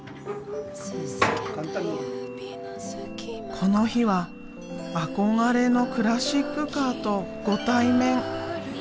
この日は憧れのクラシックカーとご対面。